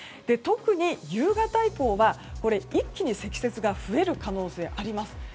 特に夕方以降は一気に積雪が増える可能性があります。